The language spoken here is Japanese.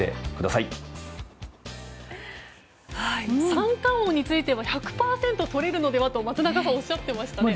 三冠王については１００％とれるのではと松中さんはおっしゃっていましたね。